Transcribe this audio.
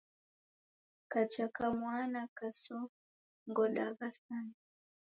Kaja kamwana kasongodagha sana.